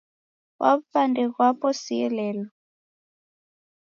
Kwa w'upande ghwapo sielelo